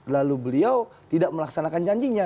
lalu beliau tidak melaksanakan janjinya